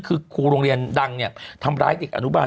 คือครูโรงเรียนดังทำร้ายเด็กอนุบาล